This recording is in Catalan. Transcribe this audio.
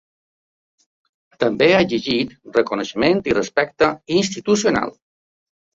També ha exigit reconeixement i respecte institucional.